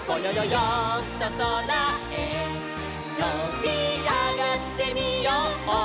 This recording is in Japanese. よんとそらへとびあがってみよう」